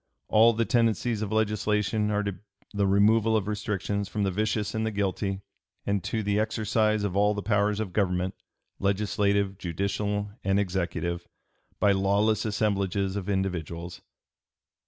All the tendencies of legislation are to the removal of restrictions from the vicious and the guilty, and to the exercise of all the powers of government, legislative, judicial, and executive, by lawless assemblages of individuals."